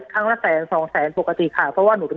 ปากกับภาคภูมิ